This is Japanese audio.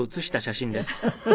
フフフフ。